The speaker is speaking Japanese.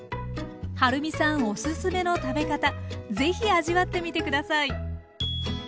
はるみさんおすすめの食べ方是非味わってみて下さい。